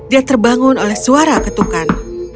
dia terbangun oleh suara ketukan